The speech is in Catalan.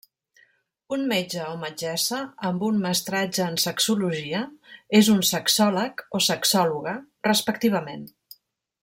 Un metge o metgessa amb un mestratge en sexologia és un sexòleg o sexòloga respectivament.